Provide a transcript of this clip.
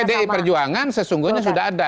pdi perjuangan sesungguhnya sudah ada